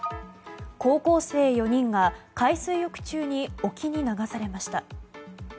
高校生４人が海水浴中に沖に流されました。